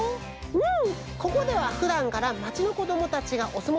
うん。